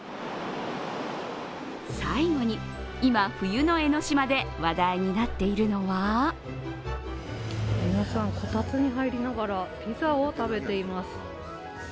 最後に、今、冬の江の島で話題になっているのは皆さん、こたつに入りながらピザを食べています。